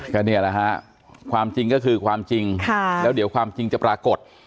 ก็เนี่ยแหละฮะความจริงก็คือความจริงแล้วเดี๋ยวความจริงจะปรากฏ